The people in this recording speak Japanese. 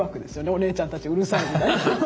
「お姉ちゃんたちうるさい」。